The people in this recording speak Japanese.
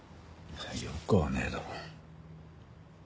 よくはねえだろ。